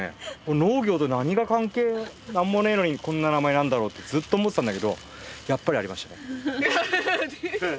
農業と何が関係何もねえのにこんな名前なんだろうってずっと思ってたんだけどやっぱりありましたね。